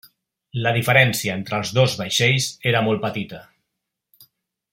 La diferència entre els dos vaixells era molt petita.